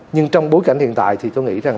nhưng trong bối cảnh hiện tại thì tôi nghĩ rằng